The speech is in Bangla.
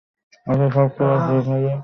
আচ্ছা, সব তোলা শেষ হলে আমাকে ডাকবে।